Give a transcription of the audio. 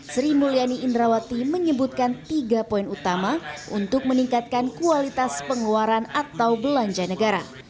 sri mulyani indrawati menyebutkan tiga poin utama untuk meningkatkan kualitas pengeluaran atau belanja negara